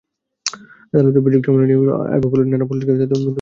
আদালত অভিযোগটি আমলে নিয়ে আগৈলঝাড়া থানা-পুলিশকে মামলা নথিভুক্ত করার নির্দেশ দেন।